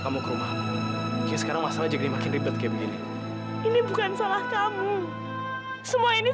aku gak bisa biarin evita segini